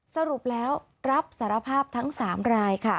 สรุปแล้วรับสารภาพทั้ง๓รายค่ะ